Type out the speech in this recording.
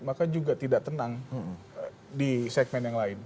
maka juga tidak tenang di segmen yang lain